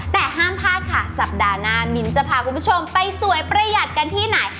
แต่ห้ามพลาดค่ะสัปดาห์หน้ามิ้นจะพาคุณผู้ชมไปสวยประหยัดกันที่ไหน